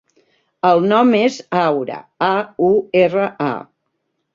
El nom és Aura: a, u, erra, a.